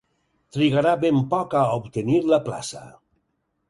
Trigarà ben poc a obtenir la plaça.